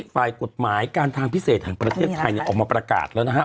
ฝ่ายกฎหมายการทางพิเศษแห่งประเทศไทยออกมาประกาศแล้วนะฮะ